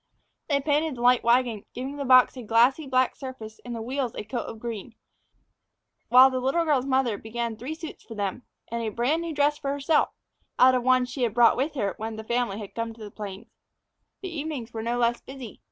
They painted the light wagon, giving the box a glossy black surface and the wheels a coat of green, while the little girl's mother began three suits for them, and a brand new dress for herself out of one she had brought with her when the family came to the plains. The evenings were no less busy.